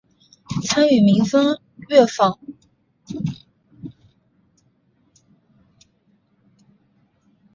参与民风乐府访美演唱会。